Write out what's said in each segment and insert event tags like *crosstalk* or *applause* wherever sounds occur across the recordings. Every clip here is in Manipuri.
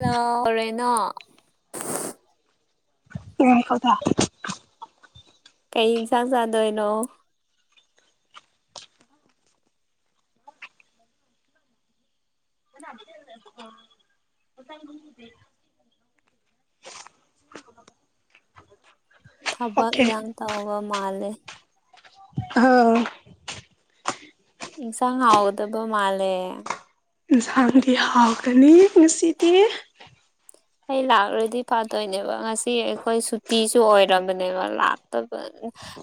ꯍꯔꯦꯅ ꯎꯝ ꯍꯗ ꯀꯩ ꯌꯦꯟꯁꯥꯡ ꯆꯥꯗꯣꯏꯅꯣ ꯎꯗꯤ ꯊꯕꯛ ꯑꯣꯀꯦ ꯌꯥꯡ ꯇꯧꯕ ꯃꯥꯜꯂꯦ ꯑꯥ ꯏꯁꯉ ꯍꯥꯎꯗꯕ ꯃꯥꯂꯦ ꯏꯟꯁꯥꯡꯗꯤ ꯍꯥꯎꯒꯅꯤ ꯉꯁꯤꯗꯤ ꯑꯩ ꯂꯥꯛꯔꯣꯏꯗꯤ ꯐꯥꯗꯣꯏꯅꯦꯕ ꯉꯁꯤ ꯑꯩꯈꯣꯏ ꯁꯨꯇꯤꯁꯨ ꯑꯣꯏꯝꯕꯅꯦꯕ ꯂꯥꯛꯇꯕ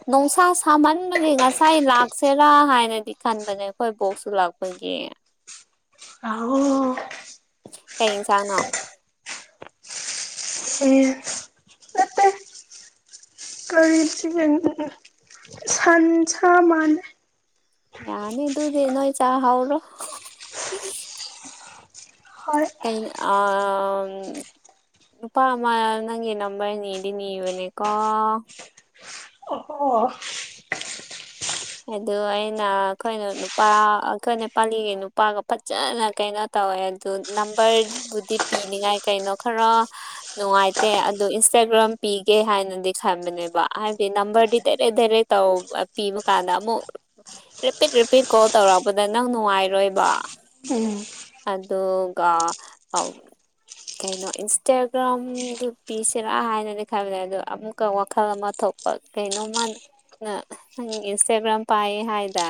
ꯅꯨꯡꯁꯥ ꯁꯥꯃꯟꯕꯒꯤ ꯉꯁꯥꯏ ꯂꯥꯛꯁꯦꯔꯥ ꯍꯥꯏꯅꯗꯤ ꯈꯟꯕꯅꯦ ꯑꯩꯈꯣꯏ ꯕꯣꯛꯁꯨ ꯂꯥꯛꯄ ꯑꯩꯒꯤꯦ ꯑꯥꯎ ꯀꯩ ꯆꯥꯡꯉꯣ ꯑꯦ ꯁꯤ ꯎꯝ ꯎ ꯁꯟꯁꯥ ꯃꯥꯅꯦ ꯌꯥꯅꯤ ꯑꯗꯨꯗꯤ ꯅꯣꯣꯏ ꯆꯥ ꯍꯧ꯭ꯔꯣ ꯍꯣꯏ ꯀ ꯑ ꯄꯥ ꯑꯃ ꯅꯪꯦ ꯅꯝꯕꯔꯅꯤꯅꯤ ꯏꯅꯦꯀꯣ ꯑꯣ ꯑꯗꯨ ꯑꯩꯅ ꯑꯩꯈꯣꯏꯅ ꯅꯨꯄꯥ ꯑꯩꯈꯣꯏ ꯅꯦꯄꯥꯂꯤꯒꯤ ꯅꯨꯄꯥꯒ ꯐꯖꯅ ꯀꯩꯅꯣ ꯇꯧ ꯅꯝꯕꯕꯨꯗꯤ ꯄꯤꯉꯥꯏ ꯀꯩꯅꯣ ꯈ ꯅꯨꯡꯉꯥꯏꯇꯦ ꯭ꯔꯝ ꯄꯤꯒꯦ ꯍꯥꯏꯅꯗꯤ ꯈꯟꯕꯅꯦꯕ ꯍꯥꯏꯕꯗꯤ ꯅꯝꯕꯔꯗꯤ ꯦꯔꯦ ꯗꯥꯦꯔꯦ ꯇ ꯄ ꯀꯥꯟꯗ ꯑꯃꯨꯛ ꯔꯤꯄꯤꯠ ꯔꯤꯄꯤꯠ ꯀꯣꯜ ꯇꯧꯔꯛꯄꯗ ꯅꯪ ꯅꯨꯡꯉꯥꯏꯔꯣꯏꯕ ꯎꯝ ꯑꯗꯨꯗꯒ ꯑ ꯀꯩꯅꯣ ꯏꯟꯁꯇꯥꯒ꯭ꯔꯥꯝꯗꯨ ꯄꯤꯁꯤꯔꯥ ꯍꯥꯏꯅꯗꯤ ꯈꯕꯅꯦ ꯑꯗꯣ ꯑꯃꯨꯛꯀ ꯋꯥꯈꯜ ꯑꯃ ꯊꯣꯛ ꯇꯣꯞꯄ ꯀꯩꯅꯣꯃ ꯅꯪ ꯏꯟꯁꯇꯒ꯭ꯔꯥꯝ ꯄꯥꯏ ꯍꯥꯏꯗꯥ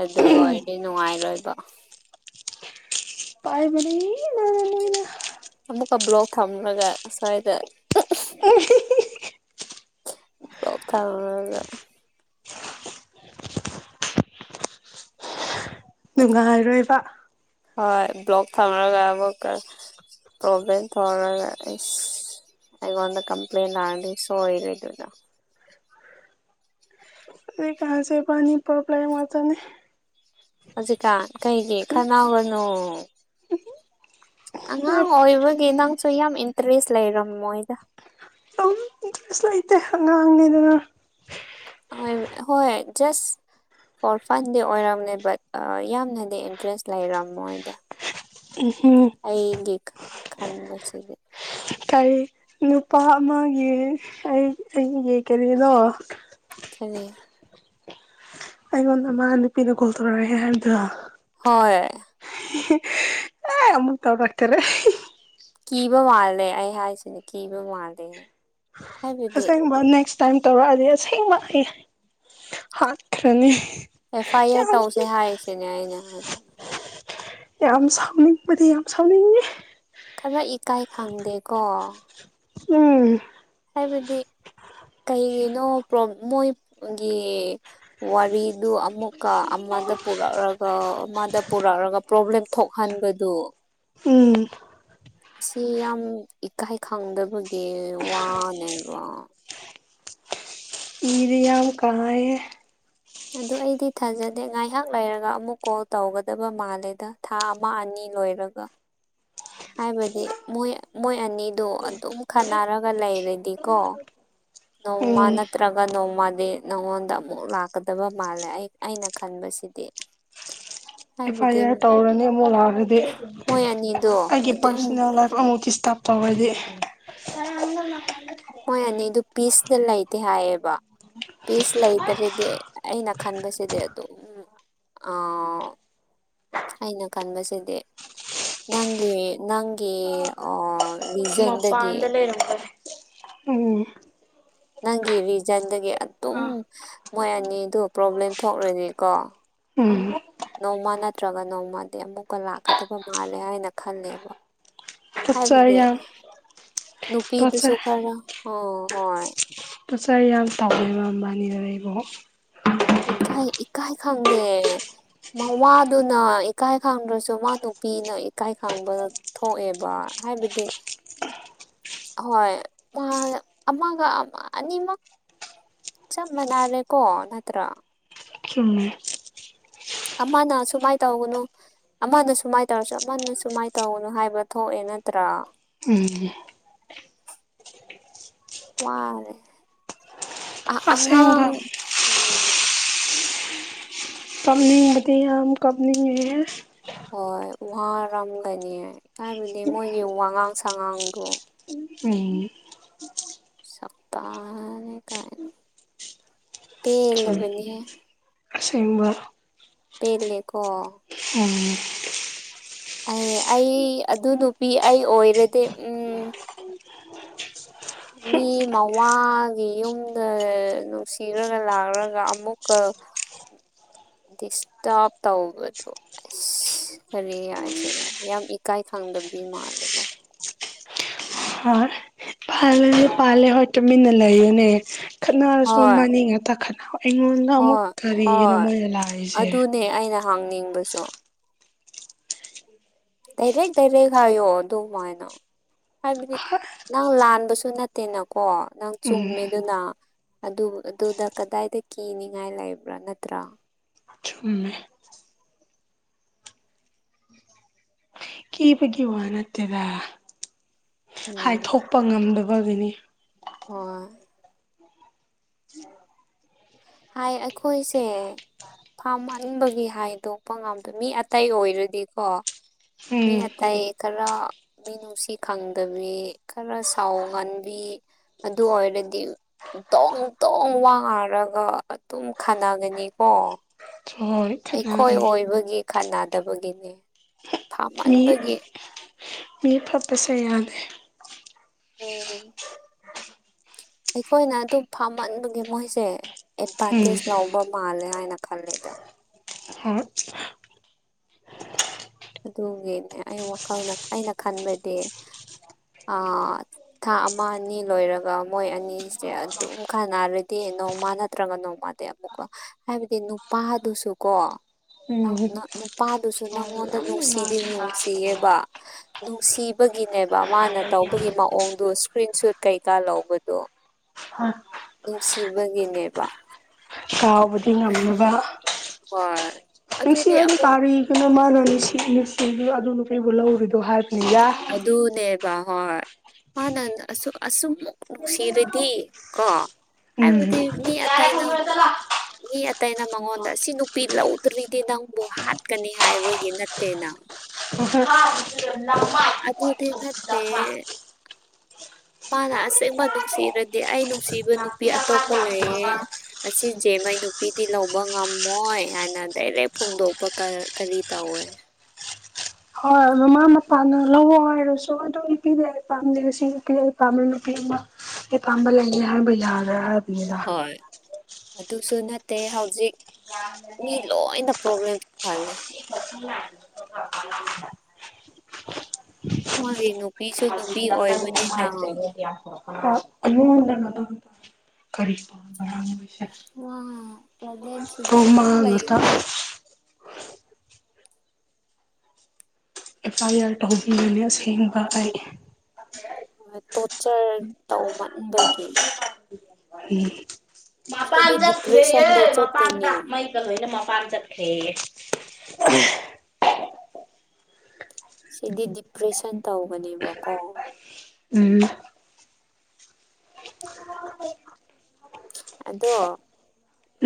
ꯑꯗꯨ ꯎꯝ ꯑꯣꯏꯔꯗꯤ ꯅꯨꯡꯉꯥꯏꯔꯣꯏꯕ ꯄꯥꯏꯕ ꯑꯃꯨꯛꯀ ꯕ꯭ꯂꯣꯛ ꯊꯝꯂꯒ ꯁꯁ꯭ꯋꯥꯏꯗ ꯅꯣꯏꯅ ꯊꯥ ꯅꯨꯡꯉꯥꯏꯔꯣꯏꯕ ꯍꯣꯏ ꯕ꯭ꯂꯣꯛ ꯊꯝꯔꯒ ꯑꯃꯨꯛꯀ ꯄ꯭ꯔꯣꯕ꯭ꯂꯦꯝ ꯊꯣꯛꯧꯔꯒ ꯑꯁ ꯑꯩꯣꯟꯗ ꯀꯝꯄ꯭ꯂꯦꯟ ꯑꯗꯤ ꯁꯣ ꯏ ꯑꯗꯨꯒ ꯑ ꯀꯥꯁꯦꯕꯅꯤ ꯄꯣꯕꯂꯦꯝꯅꯦ ꯍꯧꯖꯤꯛꯀꯥꯟ ꯀꯩꯒꯤ ꯈꯅꯥꯎꯒꯅꯨ ꯑꯉꯥꯡ ꯑꯣꯏꯕꯒꯤ ꯅꯪꯁꯨ ꯌꯥꯝ ꯏꯟꯇꯔꯦꯁ ꯂꯩꯔꯝ ꯃꯣꯏꯗ *unintelligible* ꯏꯪꯁ ꯂꯩꯇꯦ ꯑꯉꯥꯡꯅꯤꯗꯅ ꯍꯣꯏ ꯁ ꯑꯣ ꯐꯟꯗꯤ ꯑꯣꯏꯔꯝꯃꯦ ꯕꯠ ꯌꯥꯝꯅꯗꯤ ꯏꯟꯇꯔꯦꯁ ꯂꯩꯔꯝ ꯃꯣꯏꯗ ꯍꯝ ꯈꯅꯤ ꯃꯁꯒꯤ ꯀꯔꯤ ꯅꯨꯄꯥ ꯑꯃꯒꯤ ꯑꯩ ꯑꯩꯒꯤ ꯀꯔꯤꯅꯣ ꯈꯅꯤ ꯑꯩꯉꯣꯟ ꯅ ꯃꯥ ꯅꯨꯄꯤꯤꯅ ꯀꯣꯜ ꯇꯣꯔꯔꯦ ꯍꯥꯏꯔꯗ ꯍꯣꯏ ꯑ ꯑꯃꯨꯛꯇ ꯇꯥꯛꯇꯔꯦ ꯀꯤꯕ ꯃꯥꯜꯂꯦ ꯑꯩ ꯍꯥꯏꯁꯤꯅꯦ ꯀꯤꯕ ꯃꯥꯜꯂꯦ ꯍꯥꯏꯕꯗꯤ ꯑꯁꯦꯡꯕ ꯅꯦꯛꯁ ꯇꯥꯏꯝ ꯇꯧꯔꯛꯑꯗꯤ ꯑꯁꯦꯡꯕ ꯑꯩ ꯍꯥꯠꯈ꯭ꯔꯅꯤ ꯑꯦꯐ ꯑꯥꯏ ꯑꯥꯔ ꯌꯥꯝ ꯇꯧꯁꯦ ꯍꯥꯏꯔꯤꯁꯤꯅꯦ ꯑꯩꯅ ꯍꯥꯏꯕꯅꯦ ꯌꯥꯝ ꯁꯥꯎꯅꯤꯡꯕꯗꯤ ꯌꯥꯝ ꯁꯥꯎꯅꯤꯡꯉꯤ ꯈꯔ ꯏꯀꯥꯏ ꯈꯪꯗꯦꯀꯣ ꯎꯝ ꯍꯥꯏꯕꯗꯤ ꯀꯅꯣ ꯃꯣꯏꯒꯤ ꯋꯥꯔꯤ ꯑꯗꯨ ꯑꯃꯨꯛꯀ ꯑꯃꯗ ꯄꯨꯔꯛꯑꯒ ꯑꯃꯗ ꯄꯨꯔꯛꯑꯒ ꯄ꯭ꯔꯣꯕ꯭ꯂꯦꯝ ꯊꯣꯛꯍꯟꯕꯗꯨ ꯎꯝ ꯁꯤ ꯌꯥꯝ ꯏꯀꯥꯏ ꯈꯪꯗꯕꯒꯤ ꯋꯥꯅꯦꯕ ꯏꯔꯤꯌꯥꯌꯥꯝ ꯀꯌꯦꯦ ꯑꯗꯨ ꯑꯩꯗꯤ ꯊꯥꯖꯗꯦ ꯉꯥꯏꯍꯥꯛ ꯂꯩꯔꯒ ꯑꯃꯨꯛ ꯀꯣꯜ ꯇꯧꯒꯗꯕ ꯃꯥꯜꯂꯦꯗ ꯊꯥ ꯑꯃ ꯑꯅꯤ ꯂꯣꯏꯔꯒ ꯍꯥꯏꯕꯗꯤ ꯃꯣꯏ ꯃꯣꯏ ꯑꯅꯤꯗꯣ ꯑꯗꯨꯝ ꯈꯟꯅꯔꯒ ꯂꯩꯔꯗꯤꯀꯣ ꯅꯣꯡꯃ ꯎꯝ ꯅꯠꯇ꯭ꯔꯒ ꯅꯣꯡꯃꯗꯤ ꯅꯉꯣꯟꯗ ꯑꯃꯨꯛ ꯂꯥꯛꯀꯗꯕ ꯃꯥꯜꯂꯦ ꯑꯩ ꯑꯩꯅ ꯈꯟꯕ ꯃꯁꯤꯁꯤꯗꯤ ꯑꯦꯐ ꯑꯥꯏ ꯑꯥꯔ ꯇꯧꯔꯅꯤ ꯑꯃꯨꯛ ꯂꯥꯛꯑꯒꯗꯤ ꯃꯣꯏ ꯑꯅꯤꯗꯣ ꯑꯩꯒꯤ ꯑꯗꯨꯝ ꯄꯥꯔꯁꯣꯅꯦꯜ ꯂꯥꯏꯐ ꯑꯃꯨꯛ ꯗꯤꯁꯇꯥꯔꯕ ꯇꯧꯔꯗꯤ ꯃꯣꯏ ꯑꯅꯤ ꯑꯗꯨ ꯄꯤꯁꯇ ꯂꯩꯇꯦ ꯍꯥꯏꯌꯦꯕ ꯄꯤꯁ ꯂꯩꯇꯔꯤꯗꯤ ꯑꯩꯅ ꯈꯟꯕꯁꯤꯗꯤ ꯑꯗꯨ ꯎꯝ ꯑ ꯑꯩꯅ ꯈꯟꯕꯁꯤꯗꯤ ꯅꯪꯒꯤ ꯅꯪꯒꯤ ꯑꯣ ꯎꯄꯥꯗ ꯂꯩꯔꯃꯦꯔꯦ ꯎꯝ ꯅꯪꯒꯤ ꯔꯤꯖꯟꯗꯒꯤ ꯑꯗꯨꯝ ꯃꯣꯏ ꯑꯅꯤꯗꯨ ꯄ꯭ꯔꯣꯕ꯭ꯂꯦꯝ ꯊꯣꯛꯂꯣꯏꯅꯤꯀꯣ ꯎꯝ ꯅꯣꯡꯃ ꯅꯠꯇ꯭ꯔꯒ ꯅꯣꯡꯃꯗꯤ ꯑꯃꯨꯛꯀ ꯂꯥꯛꯀꯗꯕ ꯃꯥꯜꯂꯦ ꯍꯥꯏꯅ ꯈꯜꯂꯦꯕ ꯇꯣꯔꯆꯔ ꯍꯥꯏꯕꯗꯤ ꯌꯥꯝ ꯅꯨꯄꯤꯗ ꯁꯣ ꯇꯣꯔꯆꯔ ꯈꯔ ꯍ ꯍꯣꯏ ꯄꯁꯥꯏ ꯌꯥꯝ ꯇꯧꯃꯦꯦꯕꯕꯥꯅꯤꯗ ꯑꯩꯕꯨꯣ ꯏꯀ ꯏꯀꯥꯏ ꯈꯪꯗꯦ ꯃꯋꯥꯗꯨꯅ ꯏꯀꯥꯏ ꯈꯪꯗ꯭ꯔꯁꯨ ꯃꯥ ꯅꯨꯄꯤꯅ ꯏꯀꯥꯏ ꯈꯪꯕ ꯊꯣꯛꯑꯦꯕ ꯍꯥꯏꯕꯗꯤ ꯍꯣꯏ ꯑꯃꯒ ꯑꯃ ꯑꯅꯤꯃꯛ ꯆ ꯃꯅꯥꯔꯦ ꯀꯣ ꯅ ꯅꯠꯇ꯭ꯔ ꯆꯨꯝꯃꯦ ꯑꯃꯅ ꯁꯨꯃꯥꯏꯅ ꯇꯧꯒꯅꯨ ꯑꯃꯅ ꯁꯨꯃꯥꯏꯅ ꯇꯧꯔꯁꯨ ꯑꯃꯅ ꯁꯨꯃꯥꯏꯅ ꯇꯧꯒꯅꯨ ꯍꯥꯏꯕ ꯊꯣꯛꯑꯦ ꯌꯦꯅꯠꯇ꯭ꯔꯥ ꯎꯝ ꯋꯥꯥꯏ ꯑ ꯑꯉꯥꯡ ꯑꯁꯦꯡꯕ ꯎ ꯀꯞꯅꯤꯡꯕꯗꯤ ꯌꯥꯝ ꯀꯞꯅꯤꯡꯉꯦ ꯍꯣꯏ ꯎꯍꯔꯝꯒꯅꯤ ꯍꯥꯏꯕꯗꯤ ꯃꯣꯏꯒꯤ ꯋꯥꯉꯥꯡ ꯁꯥꯉꯥꯡꯗꯣ ꯎꯝ ꯁꯄ ꯀꯅ ꯄꯂꯕꯅꯤꯍꯦ ꯁꯕ ꯄꯦꯂꯦꯀꯣ ꯎꯝ ꯑꯦ ꯑꯩ ꯑꯗꯨ ꯅꯨꯄꯤ ꯑꯩ ꯑꯣꯏꯔꯗꯤ ꯎꯝ ꯃꯤ ꯃꯋꯥꯒꯤ ꯌꯨꯝꯗ ꯅꯨꯡꯁꯤꯔꯒ ꯂꯥꯛꯔꯒ ꯑꯃꯨꯛꯀ *unintelligible* ꯗꯤꯁꯇꯥꯔꯕ ꯇꯧꯕꯗꯣ ꯑꯁ ꯀꯔꯤ ꯍꯥꯏꯁꯤꯦꯔꯥ ꯌꯥꯝ ꯏꯀꯥꯏ ꯈꯪꯗꯕꯤ ꯃꯥꯜꯗꯕ ꯑꯗꯨ ꯄꯥꯜꯂꯦ ꯍꯣꯏ ꯇꯨꯃꯤꯟꯅ ꯂꯩꯌꯨꯅꯦ ꯈꯠꯅꯔꯁꯨ ꯍꯣꯏ ꯃꯅꯤꯡ ꯉꯇ ꯈꯠꯅ ꯑꯩꯉꯣꯟꯗ ꯑꯃꯨꯛ ꯍꯣꯏ ꯀꯔꯤꯒꯤꯅꯣ ꯃꯣꯏꯗ ꯂꯥꯛꯏꯁꯦ ꯍꯥꯡꯅꯤꯡꯕꯁꯨ ꯗꯥꯏꯔꯦꯛ ꯗꯥꯏꯔꯦꯛ ꯍꯥꯏꯌꯣ ꯑꯗꯨ ꯍꯥꯏꯅ ꯍꯥꯏꯕꯗꯤ ꯅꯪ ꯂꯥꯟꯕꯁꯨ ꯅꯠꯇꯦꯅꯀꯣ ꯅꯪ ꯎꯝ ꯆꯨꯝꯃꯦꯗꯨꯅ ꯑꯗꯨꯗ ꯀꯗꯥꯏꯗ ꯀꯤꯅꯤꯉꯥꯏ ꯂꯩꯕ꯭ꯔꯥ ꯅꯠꯇ꯭ꯔꯥ ꯆꯨꯝꯃꯦ ꯀꯤꯕꯒꯤ ꯋꯥ ꯅꯠꯇꯦꯗ ꯎꯝ ꯍꯥꯏꯊꯣꯛꯄ ꯉꯝꯗꯕ ꯒꯅꯤ *inaudible* ꯍꯣꯏ ꯍꯥꯏ ꯑꯩꯈꯣꯏꯁꯦ ꯐꯥꯝꯍꯟꯕꯒꯤ ꯍꯥꯏꯗꯣꯛꯄ ꯉꯝꯗꯣꯏ ꯃꯤ ꯑꯇꯩ ꯑꯣꯏꯔꯗꯤꯀꯣ ꯌꯦ ꯎꯝ ꯑ ꯇꯌꯦ ꯈꯔ ꯃꯤꯅꯨꯡꯁꯤ ꯈꯪꯗꯕꯤ ꯈꯔ ꯁꯥꯎ ꯉꯟꯕꯤ ꯑꯗꯨ ꯑꯣꯏꯔ ꯗꯤ ꯇꯣꯡ ꯇꯣꯡ ꯋꯥꯡꯉꯔꯒ ꯑꯗꯨꯝ ꯈꯥꯟꯅꯒꯅꯤꯀꯣ ꯍꯣꯏ ꯑꯩꯈꯣꯏ ꯈꯠꯅꯒꯅꯤ ꯑꯣꯏꯕꯒꯤ ꯈꯥꯟꯅꯗꯕꯒꯤꯅꯦ ꯃꯤ ꯊꯃꯟꯕꯒꯤ ꯃꯤ ꯄꯄꯌꯥꯗꯦ ꯎꯝ ꯑꯩꯈꯣꯏꯅ ꯑꯗꯨꯝ ꯐꯥꯝꯃꯟꯕꯒꯤ ꯃꯣꯏꯁꯦ ꯎꯝ ꯑꯦꯠꯚꯥꯟꯇꯦꯖ ꯂꯧꯕ ꯃꯥꯜꯂꯦ ꯍꯥꯏꯅ ꯈꯜꯂꯦꯗ ꯍꯣꯏ ꯑꯗꯨꯒꯤꯅꯦ ꯑꯩ ꯋꯥꯈꯜꯅ ꯑꯩꯅ ꯈꯟꯕꯗꯤ ꯊꯥ ꯑꯃ ꯑꯅꯤ ꯂꯣꯏꯔꯒ ꯃꯣꯏ ꯑꯅꯤꯁꯦ ꯑꯗꯨꯝ ꯈꯥꯟꯅꯔꯗꯤꯦ ꯅꯣꯡꯃꯥ ꯅꯠꯇ꯭ꯔꯒ ꯅꯣꯡꯃꯗꯤ ꯑꯃꯨꯛꯀ ꯍꯥꯏꯕꯗꯤ ꯅꯨꯄꯥ ꯑꯗꯨꯁꯨ ꯀꯣ ꯎꯝ ꯄꯥꯥ ꯑꯗꯨꯁꯨ ꯅ ꯏꯁꯥꯁꯦ ꯅ ꯌꯥꯝꯅ ꯅꯨꯡꯁꯤꯗꯤ ꯉꯥꯡꯕ ꯇꯥꯗꯅ ꯅꯨꯡꯁꯤꯌꯦꯕ ꯅꯨꯡꯁꯤꯕꯒꯤꯅꯦꯕ ꯃꯥꯅ ꯇꯧꯕꯒꯤ ꯃꯑꯣꯡꯗ ꯏꯁꯀ꯭ꯔꯤꯟ ꯁꯨꯠ ꯀꯩꯀꯥ ꯂꯧꯕꯗꯣ ꯅꯨꯡꯁꯤꯕꯒꯤꯅꯦꯕ ꯀꯥꯎꯕꯗꯤ ꯉꯝꯅꯕ ꯍꯣꯏ ꯅꯨꯡꯁꯤꯠ ꯑꯗꯨꯗꯤ ꯑꯗꯨ ꯑꯃꯨꯛ ꯀꯥꯔꯤꯒꯅ ꯃꯥꯅꯁꯤ ꯅꯨꯡꯁꯤꯕ ꯑꯗꯨꯅ ꯀꯕꯨ ꯂꯧꯔꯤꯗꯣ ꯍꯥꯏꯕ ꯑꯗꯅꯦꯦ ꯕꯥ ꯍꯣꯏ ꯃꯥꯅ ꯑꯁꯨꯨꯝꯛ ꯅꯨꯡꯁꯤꯔꯗꯤ ꯀꯣ ꯎꯝ ꯍꯥꯏꯕꯗꯤ ꯃꯤ ꯌꯥꯔꯦ ꯑꯇꯩ ꯑꯅ ꯊꯝꯃꯨꯔꯣ ꯃꯤ ꯑꯇꯩꯩꯅ ꯃꯉꯣꯟꯗ ꯁꯤ ꯅꯨꯄꯤ ꯂꯧꯗ꯭ꯔꯤꯗꯤ ꯅꯪꯕꯨ ꯍꯥꯠꯀꯅꯤ ꯍꯥꯏꯕꯒꯤ ꯅꯠꯇꯦꯅꯪ ꯎ *inaudible* ꯑꯗ ꯑꯗꯤ ꯆꯠꯇꯦ ꯃꯥꯅ ꯑꯁꯦꯡꯕ ꯅꯨꯡꯁꯤꯔꯗꯤ ꯑꯩ ꯅꯨꯡꯁꯤꯕ ꯅꯨꯄꯤ ꯑꯇꯣꯞꯄ ꯂꯩꯌꯦ ꯑꯁꯤ ꯖꯦ ꯃꯩ ꯅꯨꯄꯤꯗꯤ ꯂꯧꯕ ꯉꯝꯃꯣꯏ ꯍꯥꯏꯅ ꯗꯥꯏꯔꯦꯛ ꯐꯣꯡꯗꯣꯛꯄ ꯀꯔꯤ ꯇꯧꯋꯦ ꯍꯣꯏ ꯃꯃꯥ ꯃꯄꯥꯅ ꯂꯧ ꯍꯥꯏꯔꯁꯨ ꯑꯗꯨꯣ ꯅꯨꯄꯤꯗꯤ ꯑꯩ ꯄꯥꯝꯗꯦ ꯉꯁꯤ ꯅꯨꯄꯤꯗꯤ ꯑꯩ ꯄꯥꯝꯃꯦ ꯅꯨꯄꯤ ꯄꯥꯡꯝꯕ ꯂꯥꯏꯦ ꯍꯥꯏ ꯩꯖꯥꯗ ꯍꯥꯏ ꯄꯤ ꯍꯣꯏ ꯑꯗꯨꯁꯨ ꯅꯠꯇꯦ ꯍꯧꯖꯤꯛ ꯌꯥꯝꯅꯅꯦ ꯃꯤ ꯂꯣꯏꯅ ꯄ꯭ꯔꯣꯕ꯭ꯂꯦꯝꯁꯨꯍꯜꯂꯦ ꯁꯤ ꯀꯛꯆꯤꯡ ꯂꯥꯏꯟꯗ ꯄꯨꯔꯛꯄ ꯂꯝꯗ ꯍꯣꯏ ꯃꯥ ꯂ ꯍꯥꯏ ꯆꯦꯔ ꯑꯔꯤ ꯐ ꯋꯥ *inaudible* ꯄ꯭ꯔꯣꯕ꯭ꯂꯦꯝꯁꯤꯗꯤ ꯑꯗꯨꯝ ꯀꯣꯃꯥꯡꯅꯇ ꯂꯩꯒꯗꯕ ꯑꯦꯐ ꯑꯥꯏ ꯑꯥꯔ ꯇꯧꯕꯤꯔꯅꯦ ꯑꯁꯦꯡꯕ ꯑꯩ ꯍ ꯇꯣꯔꯆꯔ ꯇꯧ ꯃꯠꯅꯤꯡꯕꯒꯤ ꯃꯥ ꯁꯤꯗꯤ ꯄꯥꯟꯖ ꯊꯦ ꯗꯤꯄ꯭ꯔꯦꯁꯟꯗ ꯃꯥ ꯄꯥꯟꯗ ꯆꯠꯀꯅꯤ ꯃꯩꯀꯅ ꯃꯥ ꯄ ꯆꯠꯈꯦ ꯁꯤꯗꯤ ꯗꯤꯄ꯭ꯔꯦꯁꯟ ꯇꯧꯕꯅꯦꯕꯀꯣ ꯎꯝ *inaudible*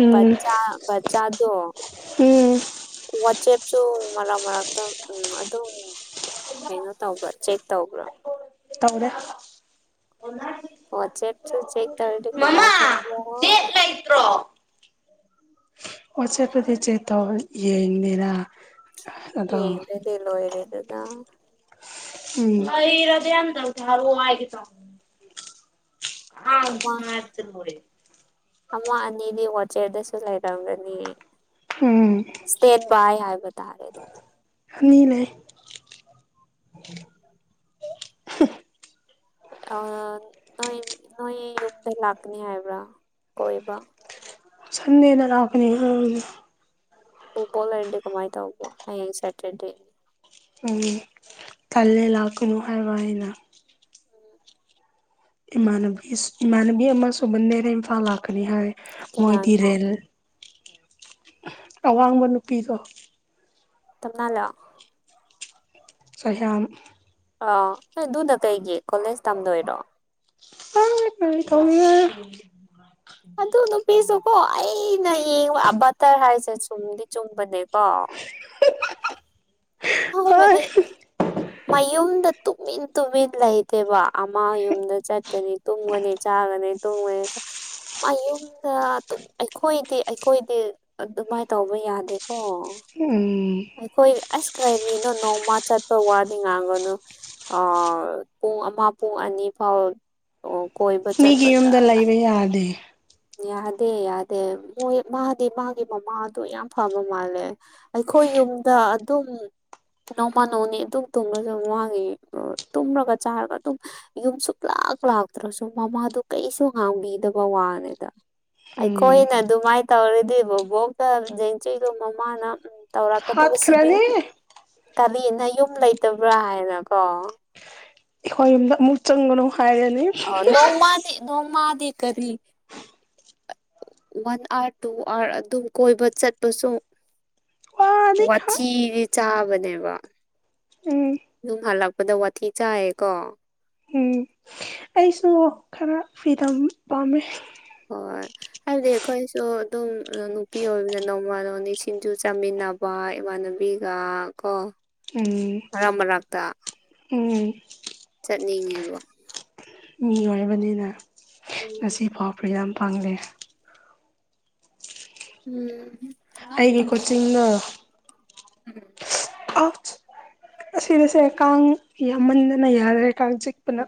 ꯎꯝ ꯎꯝ ꯋꯥꯆꯦꯞꯁꯨ ꯃꯔꯛ ꯃꯔꯛꯇ ꯎꯝ ꯑꯗꯨ ꯀꯩꯅꯣ ꯇꯧꯕ꯭ꯔꯥ ꯆꯦꯛ ꯇꯧꯕ꯭ꯔꯥ ꯇꯧꯗ ꯑꯣ ꯆꯦꯞꯁꯨ ꯆꯩ ꯇꯧ ꯃꯃꯥ ꯀꯃꯥꯏ ꯇ ꯅꯦꯠ ꯑꯣꯆꯦꯄꯗꯤ ꯆꯦ ꯌꯦ ꯃꯦꯔ ꯏꯗꯤ ꯂꯔꯦꯗꯗꯥ ꯍ ꯏꯔꯗꯤ ꯌꯥꯗ ꯍ ꯍꯥꯏꯒꯦ ꯇ ꯑꯃ ꯑ ꯇꯣ ꯑꯃ ꯑꯅꯤꯗꯤ ꯋꯥꯆꯦꯔꯗꯁꯨ ꯂꯩꯔꯝꯒꯅꯤ ꯎꯝ ꯏꯁꯇꯦꯠ ꯕꯥꯏ ꯍꯥꯏꯕ ꯇꯥꯔꯦ ꯑꯗꯨ ꯅꯤ ꯂꯩꯦ ꯑ ꯅꯣꯏ ꯅꯣꯏ ꯌꯨꯝꯗ ꯂꯥꯛꯀꯅꯤ ꯍꯥꯏꯕ꯭ꯔꯥ ꯀꯣꯏꯕ ꯁꯟꯗꯦꯅ ꯂꯥꯛꯀꯅꯤ ꯑ ꯕꯨꯕꯣꯂꯔꯗꯤ ꯀꯃꯥꯏ ꯇꯧꯕꯧꯕꯣ ꯍꯌꯦꯡ ꯁꯦꯇꯔꯗꯦꯅꯤ ꯎꯝ ꯀꯂ ꯂꯥꯛꯀꯃ ꯑꯔꯋꯥꯥꯏꯅ ꯎꯝ ꯏꯃꯥꯟꯅꯕꯤ ꯏꯃꯥꯟꯅꯕꯤ ꯑꯃ ꯁꯨꯃꯟꯗꯔꯦ ꯏꯝꯐꯥꯜ ꯂꯥꯛꯀꯅꯤ ꯍꯥꯏ ꯀꯅꯥꯅꯣ ꯃꯣꯏꯗꯤꯔꯦꯜ ꯑꯋꯥꯡꯕ ꯅꯨꯨꯄꯤꯗ ꯇꯝꯅ ꯂ ꯁ ꯑꯥ ꯑꯗꯨꯅ ꯀꯩꯒꯤ ꯀꯣꯂꯦꯖ ꯇꯝꯗꯣꯏꯔꯣ ꯑ ꯊꯅꯤ ꯑꯗꯨ ꯅꯨꯄꯤꯁꯨ ꯀꯣ ꯑꯩꯅ ꯌꯦꯉ ꯑꯕꯥꯇꯔ ꯍꯥꯏꯁꯦ ꯁꯦ ꯁꯨꯝꯗꯤ ꯆꯨꯝꯕꯅꯦꯀꯣ ꯍꯕꯗꯤ ꯃꯌꯨꯝꯗ ꯇꯨꯝꯃꯤꯟ ꯇꯨꯝꯃꯤꯟ ꯂꯩꯇꯦꯕ ꯑꯃ ꯌꯨꯝꯗ ꯆꯠꯀꯅꯤ ꯇꯨꯝꯒꯅꯤ ꯆꯥꯒꯅꯤ ꯇꯨꯝꯒꯅꯤ ꯃꯌꯨꯝꯗ ꯑꯩꯈꯣꯏꯗꯤ ꯑꯩꯈꯣꯏꯗꯤ ꯑꯗꯨꯃꯥꯏꯅ ꯇꯧꯕ ꯌꯥꯗꯦꯀꯣ ꯎꯝ ꯑꯩꯈꯣꯏ ꯑꯁ ꯀꯔꯤꯅꯣ ꯅꯣꯡꯃ ꯆꯠꯄ ꯋꯥꯗꯤ ꯉꯥꯡꯒꯅꯨ ꯑ ꯄꯨꯡ ꯑꯃ ꯄꯨꯡ ꯑꯅꯤ ꯐꯥꯎ ꯀꯣꯏ ꯆꯠ ꯃꯤꯒꯤ ꯄ ꯌꯨꯝꯗ ꯂꯩꯕ ꯌꯥꯗꯦ ꯌꯥꯗꯦ ꯌꯥꯗꯦ ꯃꯣꯏ ꯃꯥꯗꯤ ꯃꯥꯒꯤ ꯃꯃꯥꯗꯣ ꯌꯥꯝ ꯐꯕ ꯃꯥꯜꯂꯦ ꯑꯩꯈꯣꯏ ꯌꯨꯝꯗ ꯑꯗꯨꯝ ꯅꯅꯥꯧ ꯃꯥꯅꯧꯅꯤ ꯑꯗꯨꯝ ꯇꯨꯝꯂꯁꯨ ꯃꯥꯒꯤ ꯇꯨꯝꯔꯒ ꯆꯥꯔꯒ ꯑꯗꯨꯝ ꯌꯨꯝ ꯁꯛꯂꯥ ꯄꯥꯛ ꯂꯥꯛꯇ꯭ꯔꯁꯨ ꯃꯃꯥꯗꯨ ꯀꯩꯁꯨ ꯍꯥꯡꯕꯤꯗꯕ ꯋꯥꯅꯦ ꯑ ꯎꯝ ꯑꯩꯈꯣꯏꯅ ꯑꯗꯨꯃꯥꯏꯅ ꯇꯧꯔꯗꯤ ꯕꯣꯕꯣꯛꯇ ꯡꯆꯗꯣ ꯃꯃꯥꯅ ꯎꯝ ꯇꯧꯔꯛꯀꯗꯕꯁꯤꯗꯤ ꯍꯥꯠꯈ꯭ꯔꯅꯤ ꯀꯕꯤꯅ ꯌꯨꯝ ꯂꯩꯇꯕ꯭ꯔꯥ ꯍꯥꯏꯅꯀꯣ ꯑꯩꯈꯣꯏ ꯌꯨꯝꯗ ꯑꯃꯨꯛ ꯆꯪꯒꯅꯨ ꯍꯥꯏꯔꯅꯤ ꯑ ꯅꯣꯡꯃꯗꯤ ꯅꯧ ꯃꯥꯗꯤ ꯀꯔꯤ ꯋꯥꯟ ꯑꯥꯋꯥꯔ ꯇꯨ ꯑꯥꯋꯥꯔ ꯑꯗꯨꯝ ꯀꯣꯏꯕ ꯆꯠꯄꯁꯨ ꯋꯥꯅꯤ ꯍꯥ ꯋꯥꯊꯤꯗꯤ ꯆꯥꯕꯅꯦꯕ ꯎꯝ ꯑꯗꯨꯝ ꯍꯜꯂꯛꯄꯗ ꯋꯥꯊꯤ ꯆꯥꯏꯌꯦꯀꯣ ꯎꯝ ꯑꯩꯁꯨ ꯈꯔ ꯐꯤꯗ ꯄꯥꯝꯃꯦ ꯍꯣꯏ ꯍꯥꯏꯕꯗꯤ ꯑꯩꯈꯣꯏꯁꯨ ꯑꯗꯨꯝ ꯅꯨꯄꯤ ꯑꯣꯏꯕꯅ ꯅꯣꯡꯃ ꯅꯣꯡꯅꯤ ꯁꯤꯡꯖꯨ ꯆꯥꯃꯤꯟꯅ ꯏꯅꯕ ꯏꯃꯥꯟꯅꯕꯤꯒ ꯀꯣ ꯎꯝ ꯃꯔꯔꯛ ꯃꯔꯛꯇ ꯎꯝ ꯅꯤꯡꯉꯕ ꯃꯤ ꯑꯣꯏꯕꯅꯤꯅ ꯎꯝ ꯉꯁꯤ ꯐꯥꯎ ꯐ꯭ ꯌꯥꯝ ꯄꯥꯡꯖꯦ ꯎꯝ ꯑꯩꯒꯤ ꯀꯣꯆꯤꯡꯅ ꯎ ꯑꯁꯤꯗꯁꯦ ꯀꯥꯡ ꯌꯥꯝꯃꯟꯗꯅ ꯌꯥꯔꯦ ꯀꯥꯡ ꯆꯤꯛꯄꯅ